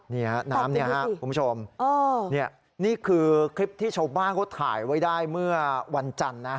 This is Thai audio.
น้ำเนี่ยครับคุณผู้ชมนี่คือคลิปที่ชาวบ้านเขาถ่ายไว้ได้เมื่อวันจันทร์นะ